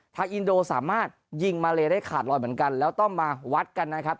อินโดสามารถยิงมาเลได้ขาดลอยเหมือนกันแล้วต้องมาวัดกันนะครับ